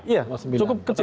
ya cukup kecil